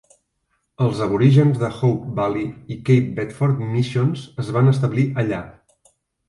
Els aborígens de Hope Valley i Cape Bedford Missions es van establir allà.